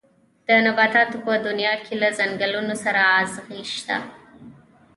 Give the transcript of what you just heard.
د نباتاتو په دنيا کې له ګلونو سره ازغي شته.